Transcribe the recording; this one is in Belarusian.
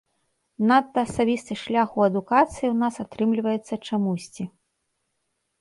Надта асабісты шлях у адукацыі ў нас атрымліваецца чамусьці!